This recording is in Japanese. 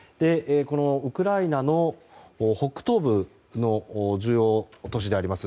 ウクライナの北東部の重要都市であります